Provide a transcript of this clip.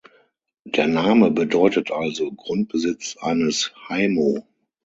Der Name bedeutet also Grundbesitz eines Haimo.